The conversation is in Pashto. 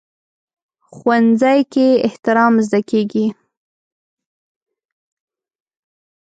ښوونځی کې احترام زده کېږي